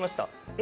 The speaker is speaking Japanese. え？